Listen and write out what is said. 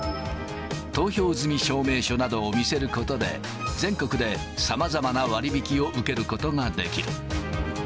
投票済み証明書などを見せることで、全国で様々な割引きを受けることができる。